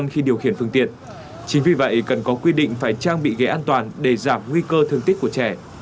khi điều khiển phương tiện chính vì vậy cần có quy định phải trang bị ghế an toàn để giảm nguy cơ thương tích của trẻ